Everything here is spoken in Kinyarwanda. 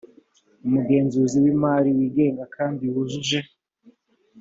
umugenzuzi w imari wigenga kandi wujuje